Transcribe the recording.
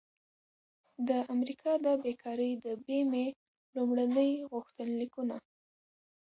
د امریکا د بیکارۍ د بیمې لومړني غوښتنلیکونه